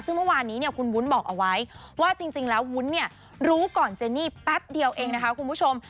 ซึ่งเมื่อวานนี้เนี่ยคุณวุ้นบอกเอาไว้ว่าจริงแล้ววุ้นเนี่ยรู้ก่อนเจนี่แป๊บเดียวเองนะคะคุณผู้ชม